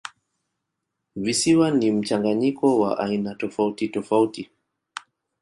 Visiwa ni mchanganyiko wa aina tofautitofauti.